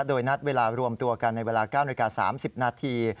โดยนัดเวลารวมตัวกันในเวลา๙นาฬิกา๓๐นาที